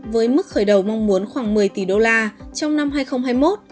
với mức khởi đầu mong muốn khoảng một mươi tỷ đô la trong năm hai nghìn hai mươi một